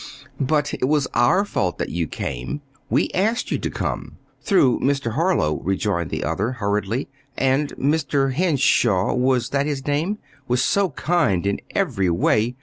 "But it was our fault that you came. We asked you to come through Mr. Harlow," rejoined the other, hurriedly. "And Mr. Henshaw was that his name? was so kind in every way.